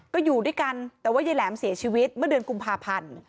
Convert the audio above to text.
ก็อยู่ด้วยกันแต่ว่ายายแหลมเสียชีวิตเมื่อเดือนกุมภาพันธ์